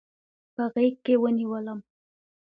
په غیږکې ونیولم